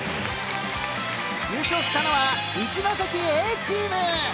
優勝したのは一関Ａチーム。